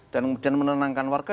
dan kemudian menenangkan warga